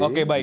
oke baik baik